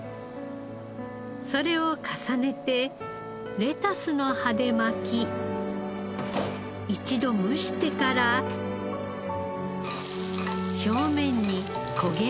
それを重ねてレタスの葉で巻き一度蒸してから表面に焦げ目をつけます。